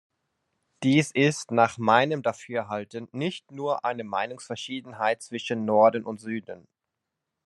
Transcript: Dies ist nach meinem Dafürhalten nicht nur eine Meinungsverschiedenheit zwischen Norden und Süden.